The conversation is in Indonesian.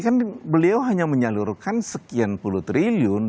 kan beliau hanya menyalurkan sekian puluh triliun